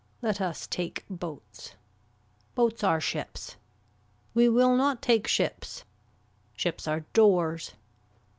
Let us take boats. Boats are ships. We will not take ships. Ships are doors.